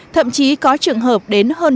thậm chí có trường hợp đến hơn